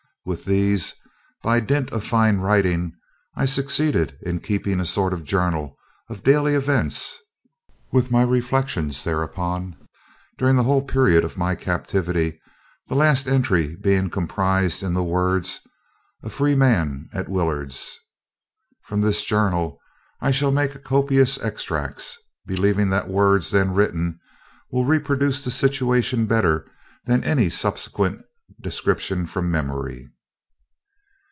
With these, by dint of fine writing, I succeeded in keeping a sort of journal of daily events, with my reflections thereupon, during the whole period of my captivity, the last entry being comprised in the words, "A free man at Willard's." From this journal, I shall make copious extracts, believing that words then written will reproduce the situation better than any subsequent description from memory.